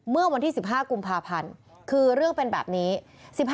เมื่อวันที่๑๕กุมภาพันธ์คือเรื่องเป็นแบบนี้